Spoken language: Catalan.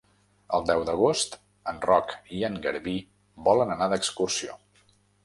El deu d'agost en Roc i en Garbí volen anar d'excursió.